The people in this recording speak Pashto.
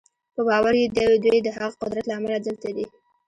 په باور یې دوی د هغه قدرت له امله دلته دي